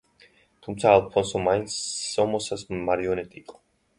თუმცა, ალფონსო მაინც სომოსას მარიონეტი იყო.